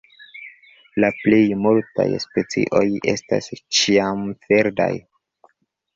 La plej multaj specioj estas ĉiamverdaj.